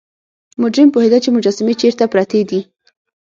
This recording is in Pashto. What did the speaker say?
مجرم پوهیده چې مجسمې چیرته پرتې دي.